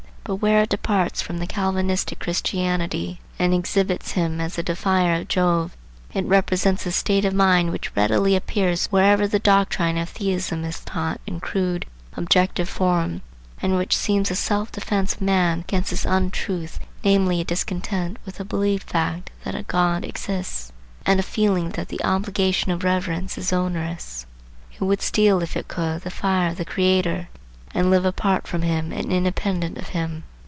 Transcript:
But where it departs from the Calvinistic Christianity and exhibits him as the defier of Jove, it represents a state of mind which readily appears wherever the doctrine of Theism is taught in a crude, objective form, and which seems the self defence of man against this untruth, namely a discontent with the believed fact that a God exists, and a feeling that the obligation of reverence is onerous. It would steal if it could the fire of the Creator, and live apart from him and independent of him.